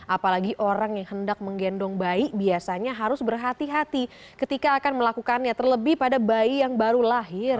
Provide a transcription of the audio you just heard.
apalagi orang yang hendak menggendong bayi biasanya harus berhati hati ketika akan melakukannya terlebih pada bayi yang baru lahir